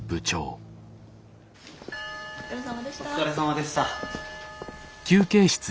お疲れさまでした。